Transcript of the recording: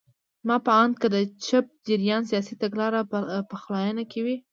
زما په اند که د چپ جریان سیاسي تګلاره پخلاینه کې وای.